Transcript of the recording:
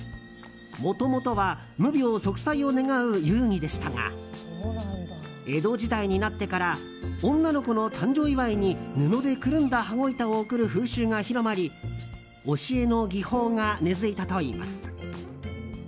もともとは無病息災を願う遊戯でしたが江戸時代になってから女の子の誕生祝いに布でくるんだ羽子板を贈る風習が広まり押絵の技法が根付いたといいます。